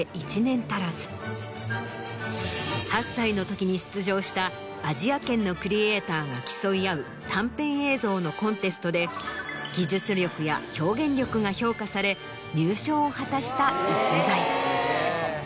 ８歳のときに出場したアジア圏のクリエイターが競い合う短編映像のコンテストで技術力や表現力が評価され入賞を果たした逸材。